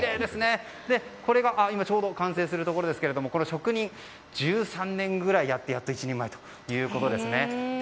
ちょうど完成するところですが職人は１３年ぐらいやってやっと一人前ということです。